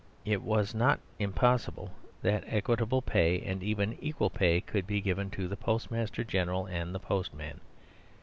It was not impossible that equitable pay, and even equal pay, could be given to the Postmaster General and the postman.